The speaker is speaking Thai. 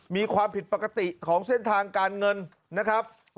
มีความผิดปกติของเส้นทางการเงินของกำหนดเดือนมกราคม